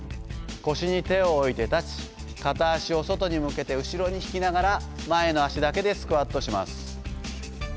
腰に手を置いて立ち片足を外に向けて後ろに引きながら前の足だけでスクワットします。